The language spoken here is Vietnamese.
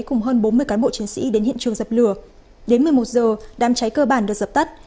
cùng hơn bốn mươi cán bộ chiến sĩ đến hiện trường dập lửa đến một mươi một giờ đám cháy cơ bản được dập tắt